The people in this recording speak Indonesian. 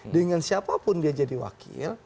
dengan siapapun dia jadi wakil